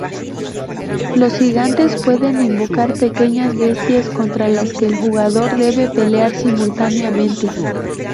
Los gigantes pueden invocar pequeñas bestias contra las que el jugador debe pelear simultáneamente.